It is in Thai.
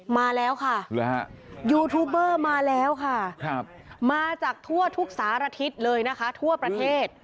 มาแล้วค่ะยูทูบเบอร์มาแล้วค่ะมาจากทั่วทุกสารทิศเลยนะคะทั่วประเทศ